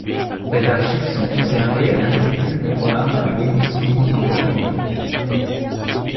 Ses archives sont conservées à l'Institut mémoires de l'édition contemporaine.